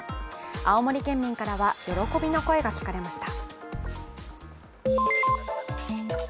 青森県民からは喜びの声が聞かれました。